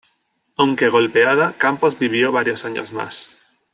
Aunque golpeada, Campos vivió varios años más.